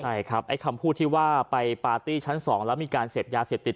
ใช่ครับไอ้คำพูดที่ว่าไปปาร์ตี้ชั้น๒แล้วมีการเสพยาเสพติด